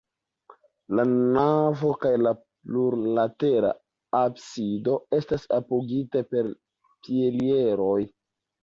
La navo kaj la plurlatera absido estas apogitaj per pilieroj.